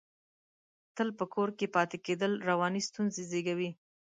تل په کور کې پاتې کېدل، رواني ستونزې زېږوي.